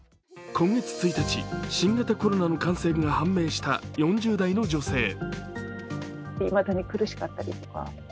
今月１日に新型コロナの感染が判明した４０代の女性。